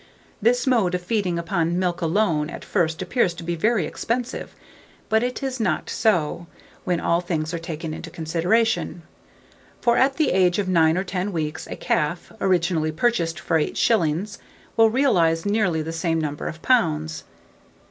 This mode of feeding upon milk alone at first appears to be very expensive, but it is not so, when all things are taken into consideration; for at the age of 9 or 10 weeks a calf, originally purchased for 8 shillings, will realize nearly the same number of pounds.